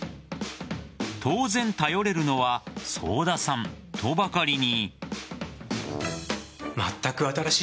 当然頼れるのは早田さんとばかりに。